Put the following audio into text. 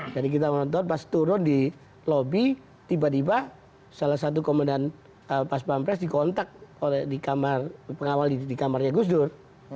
jadi kita mau nonton pas turun di lobby tiba tiba salah satu komendan pas pampres dikontak di kamar pengawal di kamarnya gus dur